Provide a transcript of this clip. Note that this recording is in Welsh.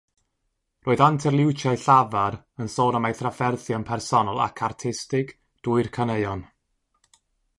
Roedd anterliwtiau llafar, yn sôn am ei thrafferthion personol ac artistig, drwy'r caneuon.